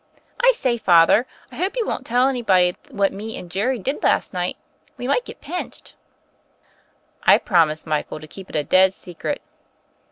I say. Father, I hope you won t tell any body what me and Jerry did last night. We might get pinched." ''I promise, Michael, to keep it a dead secret."